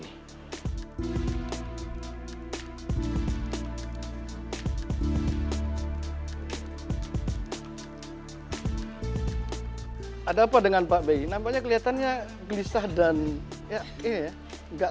hai ada apa dengan pak bayi nampaknya kelihatannya gelisah dan ya ya enggak